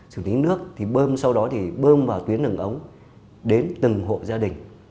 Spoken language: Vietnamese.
xử lý nước thì bơm sau đó thì bơm vào tuyến đường ống đến từng hộ gia đình